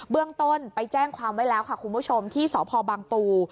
เรื่องต้นไปแจ้งความไว้แล้วค่ะคุณผู้ชมที่สพบังปู